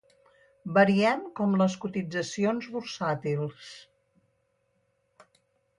Variem com les cotitzacions bursàtils.